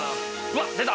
わっ出た！